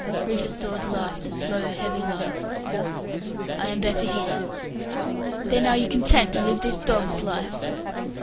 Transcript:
Rufus Dawes laughed a slow, heavy laugh. "I am better here." "Then are you content to live this dog's life?"